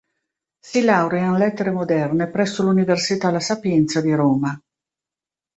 Si laurea in Lettere Moderne presso l'Università la Sapienza di Roma.